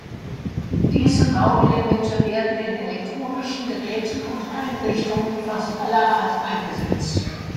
Diese Bauelemente werden in elektronischen Geräten und Einrichtungen fast aller Art eingesetzt.